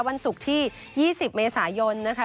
วันศุกร์ที่๒๐เมษายนนะคะ